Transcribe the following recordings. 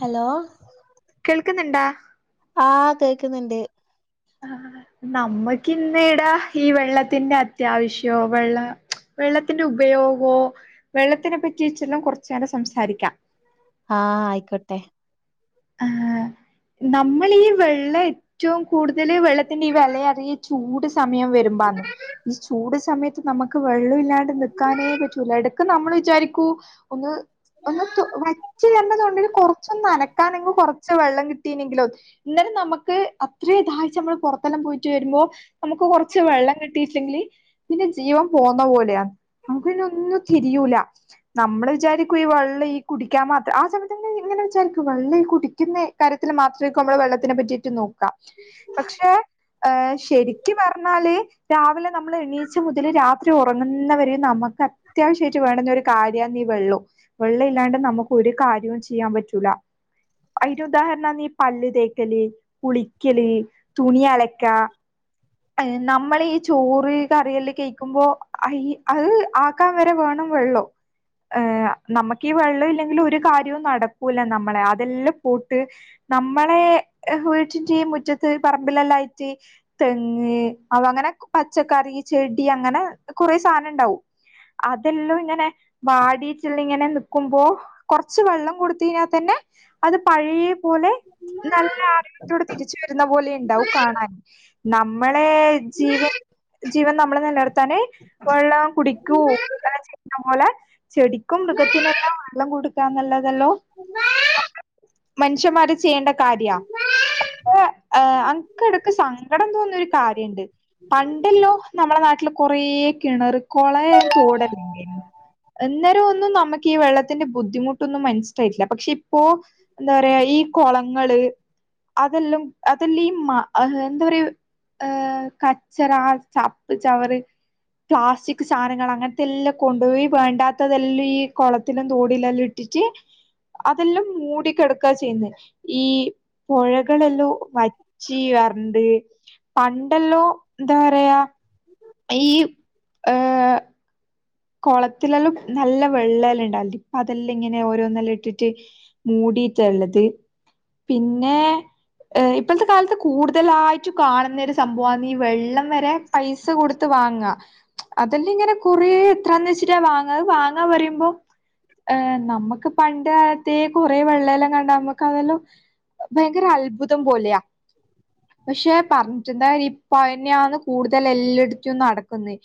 Hello കേൾക്കുന്നുണ്ടാ ആകേൾക്കുന്നുണ്ട് ആ നമ്മക്ക്ന്നടാ ഈ വെള്ളത്തിന്റെത്യാവശ്യോ വെള്ള വെള്ളത്തിന്റെ ഉപയോഗോ വെള്ളത്തിനെ പറ്റിച്ചെല്ലാം കുറച്ചു നേരം സംസാരിക്ക ആ അയ്ക്കോട്ടെ ആ നമ്മളീ വെള്ളെ റ്റവും കൂടുതൽ വെള്ളത്തിന്റെ ഈ വെലയറിയ ചൂട് സമയം വരുമ്പാന്ന് ഈ ചൂട് സമയത്ത് നമുക്ക് വെള്ളല്ലാണ്ട് നിക്കാനേ പറ്റൂല എടക്ക് നമ്മൾ വിചാരിക്കൂ ഒന്ന് ഒന്ന് വച്ച് തരണത്കൊണ്ടാ കൊറച്ചൊന്ന് അല കൊറച്ച് വെള്ളം കിട്ടീനെങ്കിലും ഇന്നാലും നമക്ക് അത്രേ ദാഹിച്ച് നമ്മള് പൊർ പൊറത്തെല്ലാം പോയിറ്റ് വരുമ്പോ നമുക്ക് കൊറച്ച് വെള്ളം കിട്ടിയിട്ടെങ്കില് പിന്നെ ജീവം പോവുന്ന പോലെയാ നമുക്ക്പിനൊന്നും തിരിയൂല നമ്മള് വിചാരിക്കും ഈ വെള്ളം ഈ കുടിക്കാൻ മാത് ആ സമയത്തെന്നെ ഇങ്ങനെ വിചാരിക്കും വള്ളഈ കുടിക്കുന്ന കാര്യത്തിൽ മാത്രേകും നമ്മള് വെള്ളത്തിനെ പറ്റീട്ട് നോക്കാ പക്ഷെ ഏ ശെരിക്ക് പറഞ്ഞാല് രാവിലെ നമ്മള് എണീച്ച മുതല് രാത്രി ഉറങ്ങുന്നവരേം നമക്ക് അത്യാവശ്യായിട്ട് വേണ്ടുന്നൊരു കാര്യന്ന് ഈ വെള്ളും വെള്ളം ഇല്ലാണ്ട് നമുക്ക് ഒരു കാര്യവും ചെയ്യാൻ പറ്റൂല അതിന്റെ ഉദാഹരണാന്ന് ഈ പല്ല് തേക്കല് കുളിക്കല് തുണി അലക്ക നമ്മള് ഈ ചോറ് കറിയെല്ലാം കഴിക്കുമ്പോ അത് ആക്കാൻ വരെ വേണം വെള്ളം ഏ നമുക്ക് ഈ വെള്ളൊ ഇല്ലെങ്കിൽ ഒരു കാര്യവും നടക്കൂല നമ്മളെ അതെല്ലാം പൂട്ട് നമ്മളെ [unintelligible] മുറ്റത്ത് പറമ്പിലെല്ലാം ആയിട്ട് അവ അങ്ങനെ പച്ചക്കറി ചെടി അങ്ങനെ കൊറേ സാനം ഇണ്ടാവും അതെല്ലു ഇങ്ങനെ വാടിട്ടെല്ലം ഇങ്ങനെ നിക്കുമ്പോ കൊറച്ച് വെള്ളം കൊടുത്തയിഞ്ഞാ തന്നെ അത് പഴേ പോലെ നല്ല ആരോഗ്യത്തോടെ തിരിച്ച് വരുന്ന പോലെ ഇണ്ടാവും കാണാൻ നമ്മളെ ജീവൻ ജീവൻ നമ്മള് നിലനിർത്താന് വെള്ളഉം കുടിക്കൂ [unintelligible] അതുപോലെ ചെടിക്കും മൃഗത്തിനെല്ലാം വെള്ളം കൊടുക്കാന്നുള്ളതല്ലോ മനുഷ്യന്മാര് ചെയ്യേണ്ട കാര്യാ അനക്ക് എടക്ക് സങ്ക [unintelligible] ഒരു കാര്യണ്ട് പണ്ടെല്ലോ നമ്മള നാട്ടില് കൊറേ കിണറ് കൊള തോടല്ലേ അന്നേരോ ഒന്നും നമുക്ക് ഈ വെള്ളത്തിന്റെ ബുദ്ധിമുട്ടൊന്നും മനസ്സിലായിട്ടില്ല പക്ഷെ ഇപ്പോ എന്താ പറയാ ഈ കൊളങ്ങള് അതെല്ലാം അതെല്ലാം ഈ മയ [unintelligible] കച്ചറ ചപ്പ് ചവറ് പ്ലാസ്റ്റിക് സാനങ്ങൾ അങ്ങനത്തെല്ലം കൊണ്ടോയി വേണ്ടാത്തതെല്ലും ഈ കൊളത്തിലും തോടിലെല്ലം ഇട അതെല്ലാം മൂടിക്കെടക്കാ ചെയ്യ്ന്നെ ഈ പൊഴകളെല്ലും വറ്റി വർ വരണ്ട് പണ്ടല്ലോ ന്താ പറയാ ഈ ഏഹ് കൊളത്തിലെല്ലും നല്ല വെള്ള എല്ലാം ഇണ്ടാവെൽ ണ്ട് ഇപ്പൊ അതെല്ലാം ഇങ്ങനെ ഓരോന്നെല്ലാം ഇട്ടിട്ട് മൂടിയിട്ടാള്ളത് പിന്നെ ഏ ഇപ്പത്തെ കാലത്ത് കൂടുതലായിട്ടും കാണുന്നൊരു സംഭവന്ന് ഈ വെള്ളം വരെ പൈസ കൊടുത്ത് വാങ്ങ അതെല്ല ഇങ്ങനെ കൊറേ ത്രാന്ന് വെച്ചിട്ടാ വാങ്ങ അത് വാങ്ങാ പറയുമ്പോ ഏ നമക്ക് പണ്ട് കാലത്തേ കൊറേ വെള്ളല്ലാം കണ്ട് നമുക്ക് അതെല്ലാം ഭയങ്കര അൽഭുതം പോലെയാ പക്ഷെ പറഞ്ഞിട്ട് എന്താ കാര്യം ഇപ്പൊ അതെന്നെയാണ് കൂടുതൽ എല്ലട്തും നടക്കുന്നത്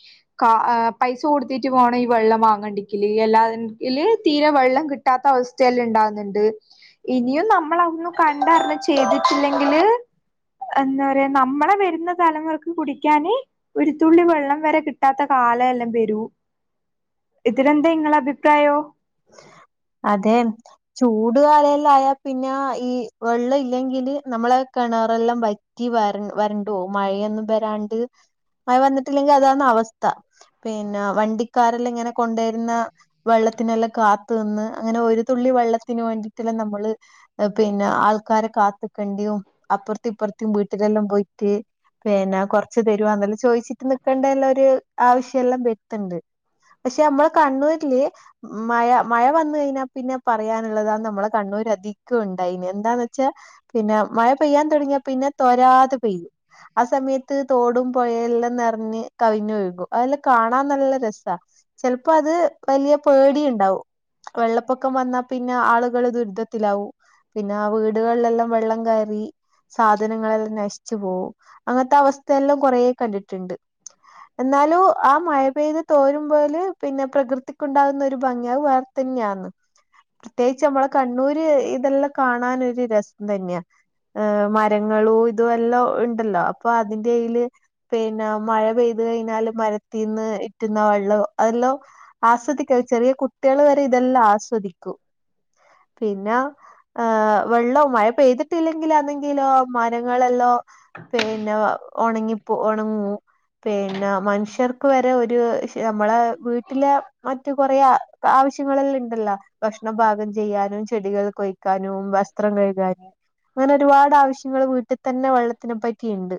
ആ ഏ പൈസ കൊടു ത്തിട്ട് പോണം ഈ വെള്ളം വാങ്ങണ്ടിക്കല് എല്ലാങ്കില് തീരെ വെള്ളം കിട്ടാത്ത അവസ്ഥയെല്ലം ഇണ്ടാവുന്നുണ്ട് ഇനിയും നമ്മള് അഒന്നും കണ്ടറിന്ന് ചെയ്തിട്ടില്ലെങ്കില് എന്താ പറയാ നമ്മളെ വെരുന്ന തലമുറക്ക് കുടിക്കാന് ഉരുത്തുള്ളി വള്ളം വരെ കിട്ടാത്ത കാലം എല്ലാം വെരൂ ഇതിലെന്താ ഇങ്ങളെ അഭിപ്രായോ അതേന്ന് ചൂട് കാലെല്ലാആയാ പിന്നെ ഈ വെള്ളം ഇല്ലെങ്കില് നമ്മളെ കിണറെല്ലാം വറ്റ് വര വരണ്ടോ മഴയൊന്നും വരാണ്ട് മഴ വന്നിട്ടില്ലെങ്കിൽ അതാണ് അവസ്ഥ പിന്നെ വണ്ടിക്കാരല്ലാം ഇങ്ങനെ കൊണ്ടുവരുന്ന വെള്ളത്തിനെല്ലാം. കാത്തു നിന്ന് അങ്ങനെ ഒരു തുള്ളി വെള്ളത്തിന് വേണ്ടിട്ടല്ലാം നമ്മള് പിന്നെ ആൾക്കാരെ കാത്ത് ക്കണ്ടിയും അപ്പുറത്തി ഇപ്പുറത്തും വീട്ടിലെല്ലാം പോയിട്ട് പിന്നെ കൊറച്ച തരുവാ എന്നല്ല ചോദിച്ചിട്ട് നിക്കേണ്ടല്ല ഒരു ആവശ്യംല്ലാം വര്ത്ത്ണ്ട്. പക്ഷെ നമ്മള് കണ്ണൂരില് മഴ മഴ വന്നു കഴിഞ്ഞാൽ പിന്നെ പറയാനുള്ളതാ നമ്മളെ കണ്ണൂര അധികം ഉണ്ടായിന് എന്താന്ന് വച്ചാൽ പിന്നെ മഴ പെയ്യാൻ തുടങ്ങിയാ പിന്നെ തൊരാതെ പെയ്യും. ആ സമയത്ത് തോടും പുഴയെല്ലാം നിറഞ്ഞ് കവിഞ്ഞ് ഒഴുകും അതെല്ലാം കാണാൻ നല്ല രസാ- ചെലപ്പോ അത് വലിയ പേടി ഉണ്ടാവും. വെള്ളപ്പൊക്കം വന്നാ പിന്നെ ആളുകൾ ദുരിതത്തിലാവൂ.. പിന്നെ ആഹ് വീടുകളിലെല്ലാം വെള്ളം കയറി സാധനങ്ങളെല്ലാം നശിച്ചു പോവും അങ്ങനത്തെ അവസ്ഥയല്ലാം കൊറേ കണ്ടിട്ടുണ്ട്. എന്നാലും ആ മഴ പെയ്ത് തോരുമ്പോള് പിന്നെ പ്രകൃതി ഉണ്ടാാവുന്ന ഒരു ഭംഗിയ് അത് വേറെ തന്നെയാണ്. പ്രത്യേകിച്ച് നമ്മളെ കണ്ണൂര് ഇതെല്ലാം കാണാനൊരു ഒരു രസം തന്നെയാ.. ഏഹ് മരങ്ങളും ഇതും എല്ലാം ഉണ്ടല്ലോ അപ്പൊ അതിന്റെ കയ്യില് പിന്നെ മഴ പെയ്തു കഴിഞ്ഞാല് മരത്തിൽന്ന് ഇറ്റുന്ന വെള്ളം അതെല്ലാം.. ആസ്വദിക്ക ചെറിയ കുട്ടികൾ വരെ ഇതെല്ലാം ആസ്വദിക്കും. പിന്നെ ഓഹ് വെള്ളം മഴപെയ്തിട്ട് ല്ലെങ്കിൽ അല്ലങ്കിലോ മരങ്ങളെല്ലോ പിന്നെ ഉണങ്ങിപ്പോ ഉണങ്ങൂ പിന്നെ മനുഷ്യർക്ക് വരെ ഒരു നമ്മളെ വീട്ടില് മറ്റ് കൊറേ ആവശ്യങ്ങളെല്ലാം ഉണ്ടല്ലോ ഭക്ഷണം പാകം ചെയ്യാനും ചെടികൾ ഒഴിക്കാനും വസ്ത്രം കഴുകാനും അങ്ങനെ ഒരുപാട് ആവശ്യങ്ങൾ വീട്ടിൽ തന്നെ വെള്ളത്തിനെ പറ്റി ഉണ്ട്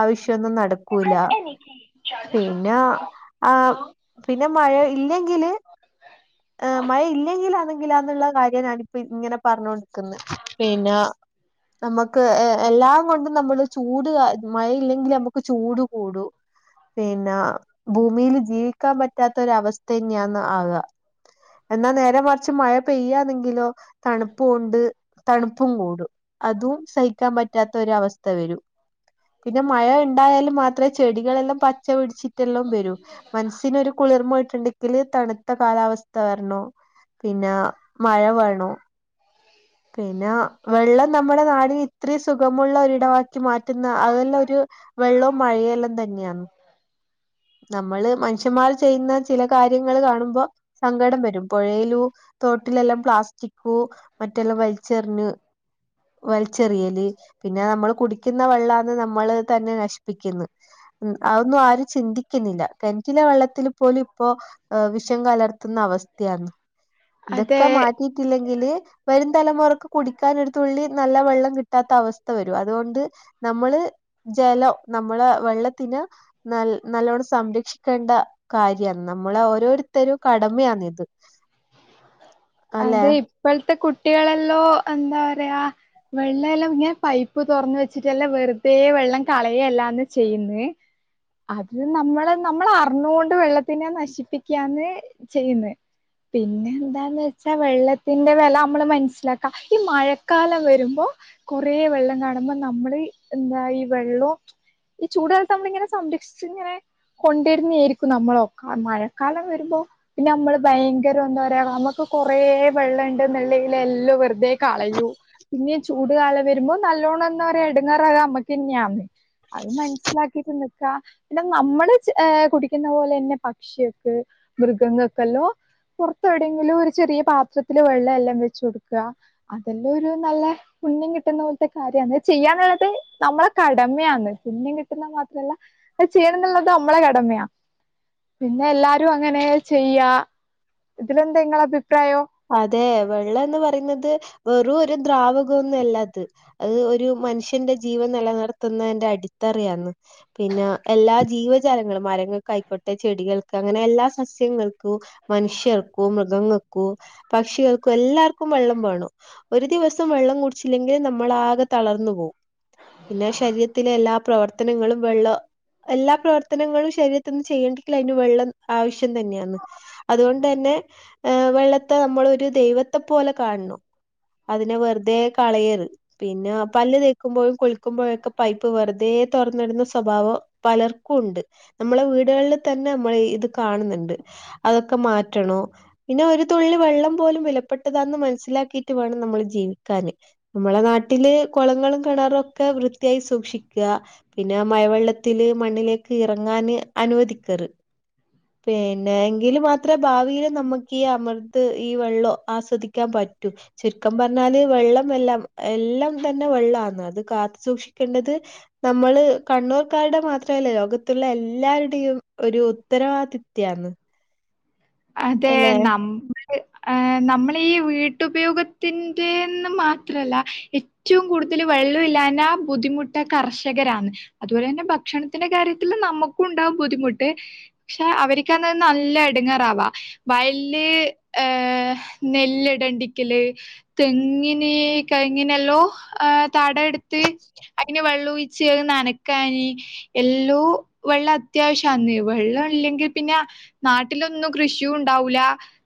അവശ്യ ഒന്നും നടക്കൂല്ല പിന്നെ ആഹ് പിന്നെ മഴ ഇല്ലെങ്കില് മഴ ഇല്ലെങ്കില അതെങ്കിലാന്നുള്ള കാര്യാണ് ഇപ്പ ഇങ്ങനെ പറഞ്ഞോണ്ടിരിക്കുന്നത് പിന്നെ നമുക്ക് എല്ലാം കൊണ്ടും നമ്മള് ചൂട് മഴയില്ലെങ്കിൽ നമുക്ക് ചൂട് കൂടൂ പിന്നെ ഭൂമിൽ ജീവിക്കാൻ പറ്റാത്തൊര അവസ്ഥ ന്നെയാണ് ആക എന്നാ നേരെ മറിച്ച് മഴ പെയ്യാണെങ്കിലോ തണുപ്പുണ്ട് തണുപ്പും കൂടും അതും സഹിക്കാൻ പറ്റാത്ത ഒര അവസ്ഥ വരും പിന്നെ മഴ ഉണ്ടായാലും മാത്രമേ ചെടികളെല്ലാം പ ച്ച പിടിച്ചിട്ടെല്ലാം വരൂ മനസ്സിനൊരു കുളിർമ കിട്ട്ണ്ടെങ്കിൽ തില് തണുത്ത കാലാവസ്ഥ വരണോ പിന്നെ മഴ വേണം. പിന്നെ വെള്ളം നമ്മുടെ നാടിന് ഇത്രയും സുഖമുള്ള ഒരിടവാക്കി മാറ്റുന്ന അതെല്ലാം ഒരു വെള്ളവും മഴയോ എല്ലാം തന്നെയാണ്. നമ്മള് മനുഷ്യന്മാർ ചെയ്യുന്ന ചില കാര്യങ്ങൾ കാണുമ്പോ സങ്കടം വരും. പുഴയിലു തോട്ടിലെല്ലാം പ്ലാസ്റ്റിക്ക് മറ്റെല്ലാം വലിച്ചെറിഞ്ഞ് വലിച്ചെറിയല് പിന്നെ നമ്മള് കുടിക്കുന്ന വെള്ളാന്ന് നമ്മള് തന്നെ നശിപ്പിക്കുന്നു അതൊന്നും ആരും ചിന്തി കിണറ്റിലെ വെള്ളത്തിൽ പോലും ഇപ്പോ വിഷം കലർത്തുന്ന അവസ്ഥയാന്ന്. അതെ ഇതൊക്കെ മാറ്റിയിട്ടില്ലെങ്കില് വരും തലമുറക്ക് കുടിക്കാനൊരു ഒരു തുള്ളി നല്ല വെള്ളം കിട്ടാത്ത അവസ്ഥ വരും അതുകൊണ്ട് നമ്മള് ജലം നമ്മള് വെള്ളത്തിന് ന നല്ലോണ്ണം സംരക്ഷിക്കേണ്ട കാര്യമാണ് നമ്മള് ഓരോരുത്തരും കടമയാണ് ഇത്. ആഹ് അതെ ഇപ്പോഴത്തെ കുട്ടികളെല്ലോ എന്താ പറയാ വെള്ളം എല്ലാം ഇങ്ങനെ പൈപ്പ് തുറന്ന് വെച്ചിട്ടല്ലാം വെറുതെയേ വെള്ളം കളയേ എല്ലാന്ന് ചെയ്യുന്നേ അത് നമ്മള് നമ്മൾ അറിഞ്ഞോണ്ട് വെള്ളത്തിനെ നശിപ്പിക്കാന്ന് ചെയ്യുന്നത്. പിന്നെ എന്താന്ന് പച്ച വെള്ളത്തിന്റെ വില നമ്മള് മനസ്സിലാക്കാം ഈ മഴക്കാലം വരുമ്പോ കുറെ വെള്ളം കാണുമ്പോൾ നമ്മള് എന്താ ഈ വെള്ളം ഈ ചൂടാലത്ത് നമ്മളിങ്ങനെ സംരക്ഷിച്ചു ഇങ്ങനെ കൊണ്ടിരുന്നേര്ക്കും നമ്മളക്ക മഴക്കാലം വരുമ്പോ പിന്നെ നമ്മള് ഭയങ്കരം എന്താ പറയാ നമ്മുക്ക് കൊറേ വെള്ളണ്ട് നള്ളൽ എല്ലാം വെറുതെ കളയൂ പിന്നെ ചൂട് കാലം വരുമ്പോ നല്ലോണ്ണം എന്ന എടുങ്ങാറ അത് നമ്മക്ക് ഇന്നെയന്ന് അത് മനസ്സിലാക്കിട്ട് നിക്ക പിന്നെ നമ്മള് ഏ കുടിക്കുന്ന പോലെ തന്നെ പക്ഷിയക്ക് മൃഗങ്ങൾക്കല്ലോ പുറത്തെ എവിടെയെങ്കിലും ഒരു ചെറിയ പാത്രത്തില് വെള്ളം എല്ലാം വെച് കൊടുക്ക അതെല്ലാം ഒരു നല്ല പുണ്യം കിട്ടുന്ന പോലത്തെ കാര്യാണ് ചെയ്യാനുള്ളത് നമ്മളെ കടമയാണ് പുണ്യം കിട്ടുന്ന മാത്രല്ല അത് ചെയ്യണം എന്നുള്ളത് നമ്മളെ കടമയാ പിന്നെ എല്ലാരും അങ്ങനെ ചെയ്യാ ഇതിലന്തെങ്ങള അഭിപ്രായോ അതെ വെള്ളം എന്ന് പറയുന്നത് വെറും ഒരു ദ്രാവക ഒന്നും അല്ല അത് അത് ഒരു മനുഷ്യന്റെ ജീവൻ നെലനിർത്തുന്നതിന്റെ അടിത്തറിയാണ് പിന്നെ എല്ലാ ജീവജാലങ്ങളും മരങ്ങൾക്കയിക്കോട്ടെ ചെടികൾക്ക് അങ്ങനെ എല്ലാ സസ്യങ്ങൾക്കും മനുഷ്യർക്കും മൃഗങ്ങൾക്കും പക്ഷികൾക്കും എല്ലാർക്കും വെള്ളം വേണം ഒരു ദിവസം വെള്ളം കുടിച്ചില്ലെങ്കിൽ നമ്മൾ ആകെ തളർന്നു പോവും പിന്നെ ശരീരത്തി ത്തിലെ എല്ലാ പ്രവർത്തനങ്ങളും വെള്ള എല്ലാ പ്രവർത്തനങ്ങളും ശരീരത്തിന്ന് ചെയ്യേണ്ടെങ്ക അതിന് വെള്ളം ആവശ്യം തന്നെയാണ്. അതുകൊണ്ടെ ന്നെ ഹ് വെള്ള നമ്മള് ഒര് ദൈവത്തെ പോലെ കാണ് ണൊ. അതിനെ വെറ്തേ കളയ ര്ത് പിന്നെ പല്ല് തേക്കുമ്പോഴും കുളിക്കുമ്പോഴൊക്കെ പൈപ്പ് വെറുതെ തൊറന്നിടുന്ന സ്വഭാവൊ പലർക്കൂണ്ട്. നമ്മളെ വീടുകളിൽ തന്നെ നമ്മള് ഇത് കാണുന്നുണ്ട് അതൊക്കെ മാറ്റണോ പിന്നെ ഒരു തുള്ളി വെള്ളം പോലും വിലപ്പെട്ടതാന്ന് മനസ്സിലാക്കിയിട്ട് വേണം നമ്മൾ ജീവിക്കാന് നമ്മളെ നാട്ടില് കൊളങ്ങളും കെണറൊക്കെ വൃത്തിയായി സൂക്ഷിക്ക പിന്നെ മഴവെള്ളത്തില് മണ്ണിലേക്ക് ഇറങ്ങാന് അനുവദിക്കറ് പിന്നെ എങ്കില് മാത്രേ ഭാവിയില് നമക്ക് ഈ അമൃ ത്ത് ഈ വെള്ളൊ ആസ്വദിക്കാൻ പറ്റു ചുരുക്കം പറ്ഞ്ഞാല് വെള്ളം എല്ലാം എല്ലാം തന്നെ വെള്ളാന്ന് അത് കാത്തു സൂക്ഷിക്കേണ്ടത് നമ്മള് കണ്ണൂർക്കാരുടെ മാത്ര അല്ലലൊ ലോകത്ത്ള്ള എല്ലാവരുടെയും ഒരു ഉത്തരവാദിത്ത്യാന്ന്. അതെ നമ്മ നമ്മള ഈ വീട്ടുപയോഗത്തിന്റേന്ന് മാത്രല്ല എറ്റവും കൂടു ഇതില് വെള്ളൂല്ലാഞാ ബുദ്ധിമുട്ട് കർഷകരാന്ന്. അതുപോലെന്നെ ഭക്ഷണത്തിന്റെ കാര്യത്തിലും നമുക്കും ഉണ്ടാവും ബുദ്ധിമുട്ട് പക്ഷെ അവർക്ക്ന്ന നല്ല എടങ്ങേറാ വയല്ല് ഏഹ് നെല്ലിടണ്ടിക്കല്ല് തെങ്ങിന് കഹ്ങ്നെല്ലോ ആഹ് തട ഇടുത്ത് അങ്ങെനെ വെള്ളം ചെ അഹ് നനക്കാന് എല്ലോ വെള്ളം അത്യാവശ്യാന്ന്. വെള്ള ഇല്ലെങ്കി പിന്നെ നാട്ടിലൊന്നും കൃഷൂ ഉണ്ടാവൂല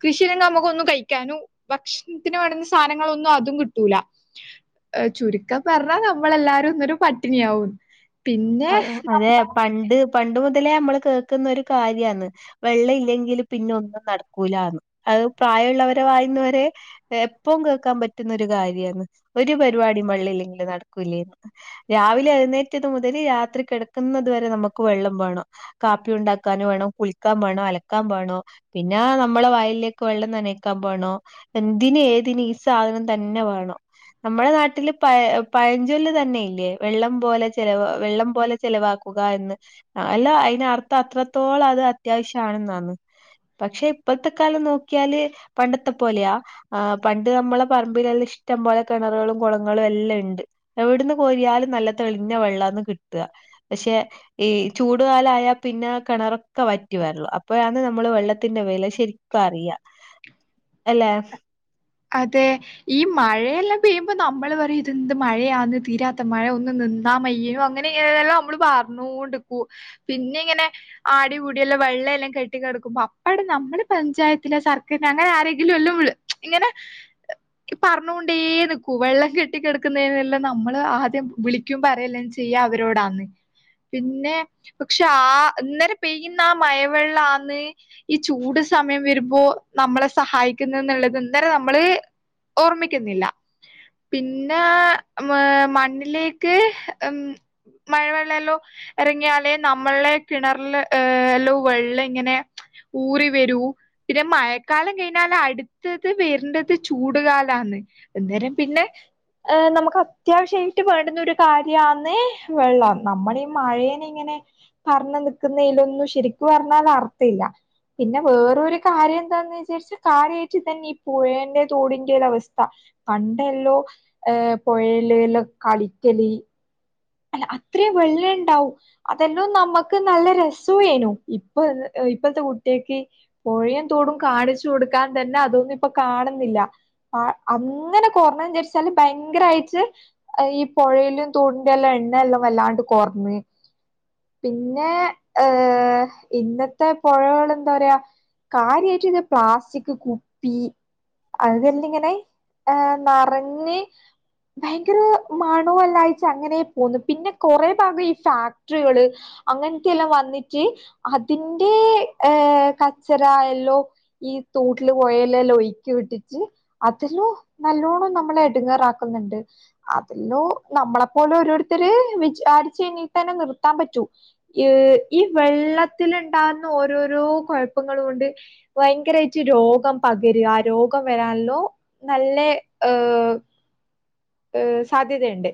കൃഷിയില്ലെങ്കി നമ്മുക്കൊന്നും കഴിക്കാനും ഭക്ഷണത്തിന് വേണുന്ന സാനങ്ങളൊന്നും അതും കിട്ടൂല ചുരുക്കം പറ്ഞ്ഞാ നമ്മളെല്ലാരും ഇന്നൊരു പട്ടിണിയാവും പിന്നെ നമ്മ അതെ പണ്ട് പണ്ട് മുതലേ അമ്മള് കേൾക്കുന്നൊരു കാര്യാന്ന്. വെള്ള ഇല്ലെങ്കില് പിന്നെ ഒന്നും നടക്കൂലാന്ന്. അത് പ്രായ ഉള്ളവരെ വായിന്നു വരെ എപ്പം കേക്കാൻ പറ്റുന്നൊരു ഒരു കാര്യാന്ന്. ഒരു പരിപാടി വള്ള ഇല്ലെങ്കില് നടക്കൂലേനി രാവിലെ എഴുന്നേറ്റത് മുതൽ രാത്രി കെടക്കുന്നത് വരെ നമക്ക് വെള്ളം വേണം കാപ്പി ഉണ്ടാക്കൻ വേണം കുളിക്കാ ബേണം അലക്കാ ബേണോ. പിന്നെ നമ്മളെ വായിലേക്ക് വെള്ളം നനക്കാപോണോ. എന്തിന് ഏതിന് ഈ സാധനം തന്ന വേണം.. നമ്മടെ നാട്ടില് പയ പഴഞ്ചൊല്ല് തന്നെ ഇല്ലേ. വെള്ളം പോലെ ചെലവ് വെള്ളം പോലെ ചെലവാക്കുക എന്ന്. അല്ല അയിനർത്തം അത്രത്തോള അത് അത്യാവശ്യാണ്ന്നണ്. പക്ഷെ ഇപ്പത്തെ കാലം നോക്കിയാല് പണ്ടത്തെ പോലെയാ. ആഹ് പണ്ട് നമ്മളെ പറമ്പിലെല്ല ഇഷ്ടം പോലെ കെണറേളും കൊളങ്ങളും എല്ലാ ഇണ്ട്. എവിട്ന്ന് കോരിയാലും നല്ല തെളിഞ്ഞ വെള്ളാന്ന് കിട്ടാ പഷേ. ഈ ചൂടുകാല ആയാ പിന്നെ കെണറൊക്കെ വറ്റിവര്ള്ളു. അപ്പോഴാണ് നമ്മള് വെള്ളത്തിന്റെ വെല ശെര് കറിയ ഹ് എല്ലെ.. അതെ ഈ മഴയെല്ലാം പെയ്യുമ്പോ നമ്മള് പറയു ഇതെ ന്ത് മഴയാന്ന് തീരാത്ത മഴ ഒന്ന് നിന്നാ മയ്യിനും അങ്ങനെ. യെറലെല്ലാം നമ്മള് പറ്നോണ്ട്ക്കും പിന്നെ ഇങ്ങനെ. ആടിം വുടിയെല്ലാം വെള്ള എല്ലെ കെട്ടി കെടക്കുമ്പോ അപ്പടെ നമ്മള് പഞ്ചായത്തില സർകിൽ അങ്ങനെ ആരെങ്കിലു അല്ലൂള്.. [inaudible] ഇങ്ങനെ. ക് പർണോണ്ടേ നിക്കൂ. വെള്ളം കെട്ടികെട്ക്കുന്നയിനെല്ലാം നമ്മള് ആദ്യം വിളി. ക്യു പറയല്ലൻ ചെയ്യാ അവരോടാന്ന്. പിന്നെ പക്ഷെ ആ ഇന്നെര പെയ്യുന്ന ആ മഴവെള്ളാന്ന് ഈ ചൂട് സമയം വരുമ്പോ നമ്മളെ സഹായിക്കുന്നത് ന്ന്ള്ളത്. ന്നേര നമ്മള് ഓർമ്മിക്കുന്നില്ല. പിന്നെ മണ്ണിലേക്ക് മ്മ് മഴവെള്ളല്ലോ. എറങ്ങിയാലേ നമ്മളെ കിണറില് ഹേ ല്ലോ വെള്ള ഇങ്ങനെ ഊറി വരൂ പിന്നെ മഴക്കാലം കഴിഞ്ഞാലാ അടുത്ത് ത് വെര്ണ്ടത് ചൂടുകാലന്ന് എന്തോരം പിന്നെ ഏ നമുക്ക് അത്യാവശ്യയിട്ട് വേണ്ടുന്ന ഒരു കാര്യാന്ന് വെള്ളം നമ്മളീ ഈ മഴേനെ ഇങ്ങനെ പറഞ്ഞ് നിക്കുന്നയിലൊന്നും ശരിക്കും പറഞ്ഞാല് അർത്ഥല്ല്യ. പിന്നെ വേറൊരു കാര്യന്താന്ന് വിചാരിച്ച കാര്യയിറ്റ് ഇതന്നെ പുഴേന്റെ തോടിന്റെ ഒരവസ്ഥ പ ണ്ടല്ലോ. ഹേ പൊഴലേലോ കളിക്കലി അല്ല അത്രേ വെള്ളേണ്ടാവു. അതെല്ലോം നമ്മക്ക് നല്ല രസൊയെനു ഇപ്പ ഇപ്പോത്തെകുട്ട്യോക്ക്. പൊഴേ തോടു കാണിച്ചു കൊടുക്കാൻ തന്നെ അതൊന്നു ഇപ്പ കാണുന്നില്ല. ആ അങ്ങനെ കൊറണംചാരിച്ചാല് ഭയങ്കരയിട്ട് ഈ പൊഴലും തോട് [unintelligible] വല്ലാണ്ട് കൊർണ്. പിന്നെ ഹ് ഇന്നത്തെ പൊഴോളന്താ പറിയ കാര്യയിട്ടെന്നെ പ്ലാസ്റ്റിക് കുപ്പി. അതെല്ലിങ്ങനെ ഹേ നറഞ്ഞ്. ഭയങ്കരോ മണോല്ലായിട്ട് അങ്ങനെ പോന്നു പിന്നെ കൊറെ ഭാഗം ഈ ഫാക്ടറിള്, അങ്ങൻ ത്തെല്ലാം വന്നിട്ട് അതിൻ്റെ ഹ് കച്ചറായല്ലോ ഈ തോട്ടില് പെഴെലല്ലോ ഒഴുക്കിവിട്ടിട്ട് അതിലും നല്ലോണം നമ്മളെ ടുങ്ങാറാക്കുന്നുണ്ട് അതിലോ നമ്മളെ പോലെരോരുത്തരു വിജാരിച്ചുയിഞ്ഞേ തന്നെ നിർത്താൻ പറ്റൂ. ഈ ഈ വെള്ളത്തില്ണ്ടാവുന്ന ഓരോരോ കൊഴപ്പങ്ങളോണ്ട്. വയങ്കരായിട്ട് രോഗം പക് ര രോഗം വരാൻ ല്ലോ. നല്ലേ ഹ് ഹ്, സാധ്യതയിണ്ട്.